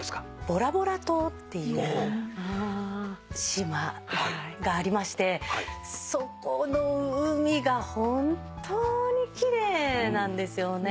ボラボラ島っていう島がありましてそこの海が本当に奇麗なんですよね。